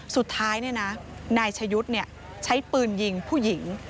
สุดท้ายนี่นะนายชยุดใช้ปืนยิงผู้หญิง